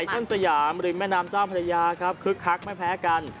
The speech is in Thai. ต้นสยามริมแม่น้ำเจ้าพระยาครับคึกคักไม่แพ้กัน